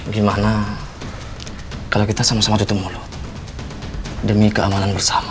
gimana kalau kita sama sama tutup mulut demi keamanan bersama